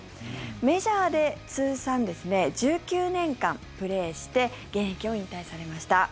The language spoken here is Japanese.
メジャーで通算１９年間プレーして現役を引退されました。